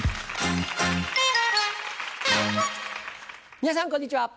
皆さんこんにちは。